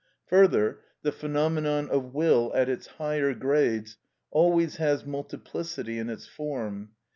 Further, the phenomenon of will at its higher grades always has multiplicity in its form.